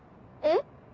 え？